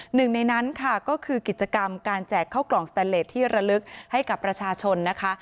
หนึ่งในนั้นค่ะก็คือกิจกรรมการแจกเข้ากล่องสแตนเลสที่ระลึกให้กับประชาชนนะคะ